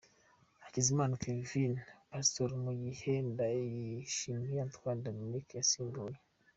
Hakizimana Kevin Pastole mu gihe Ndayishimiye Antoine Dominique yasimbuye